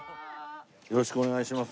よろしくお願いします